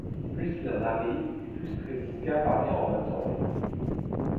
Plus il en arrive et plus Treblinka parvient à en absorber.